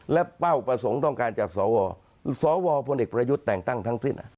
และเป้าประสงค์ต้องการจากสวสวพลเอกประยุทธ์แต่งตั้งทั้งสิ้น